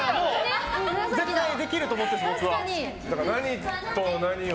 絶対できると思ってます。